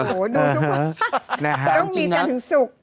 โหดูสิวะต้องมีการถึงสุข